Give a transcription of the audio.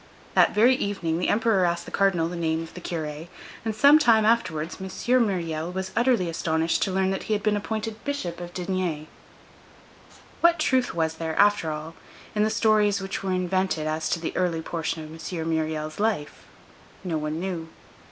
That very evening, the Emperor asked the Cardinal the name of the Curé, and some time afterwards M. Myriel was utterly astonished to learn that he had been appointed Bishop of D—— What truth was there, after all, in the stories which were invented as to the early portion of M. Myriel's life? No one knew.